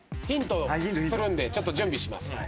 ヒントするんでちょっと準備します。